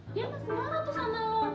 dia gak seneng banget tuh sama lo